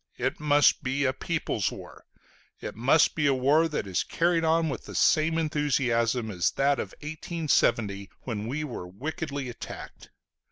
It must be a people's war; it must be a war that is carried on with the same enthusiasm as that of 1870, when we were wickedly attacked.